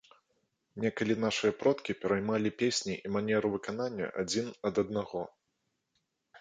Некалі нашыя продкі пераймалі песні і манеру выканання адзін ад аднаго.